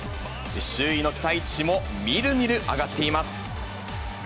周囲の期待値もみるみる上がっています。